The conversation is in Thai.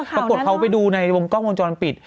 ปรากฏเขาไปดูในวงกล้องวงจรปิด